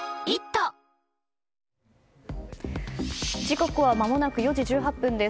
時刻はまもなく４時１８分です。